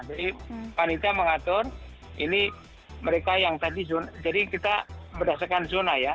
jadi panitia mengatur ini mereka yang tadi jadi kita berdasarkan zona ya